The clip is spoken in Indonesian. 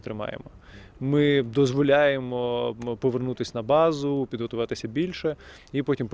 kami membenarkan mereka untuk kembali ke pusat untuk berlatih lebih banyak